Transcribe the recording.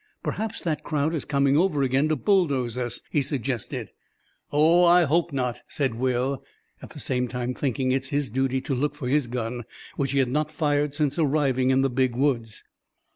"Perhaps that crowd is coming over again to bulldoze us," he suggested. "Oh! I hope not," said Will, at the same time thinking it his duty to look for his gun, which he had not fired since arriving in the Big Woods.